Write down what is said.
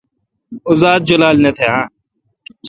اوزات جولال نہ تھان۔